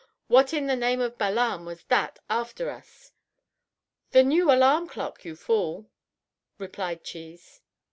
"What in the name of Balaam was that after us?" "The new alarm clock, you fool," replied Cheese.